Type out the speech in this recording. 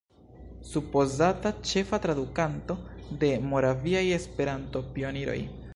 Supozata ĉefa tradukanto de Moraviaj Esperanto-Pioniroj.